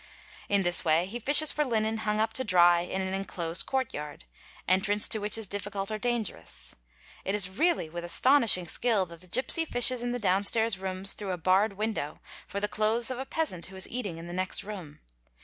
In this way he fishes for linen hung up to dry in an enclosed courtyard, entrance to which is difficult or dan gerous. It is really with astonishing skill that the gipsy fishes in the _' downstairs rooms through a barred window for the clothes of a peasant ' who is eating in the next room.